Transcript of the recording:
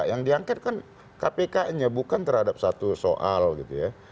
yang diangket kan kpk nya bukan terhadap satu soal gitu ya